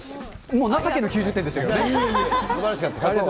もう情けの９０点でしたけれどもね。